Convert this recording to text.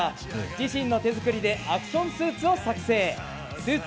自身の手作りでアクションスーツを作成。